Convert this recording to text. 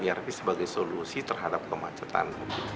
irp sebagai solusi terhadap kemacetan